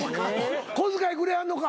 小遣いくれはんのか？